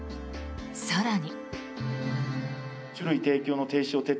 更に。